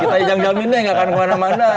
kita injang jaminkan gak akan kemana mana